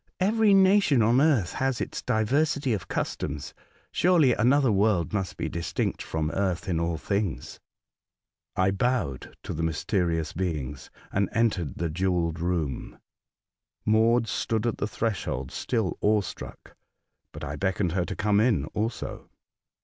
" Every nation on earth has its diversity of customs, surely another world must be distinct from earth in all things." 204 A Voyage to Other Worlds. I bowed to the mysterious beings, and entered the jewelled room. Maud stood at the threshold still awe struck, but I beckoned her to come in also.